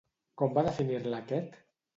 Com va definir-la aquest?